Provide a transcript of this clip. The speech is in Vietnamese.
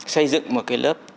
xây dựng một cái lớp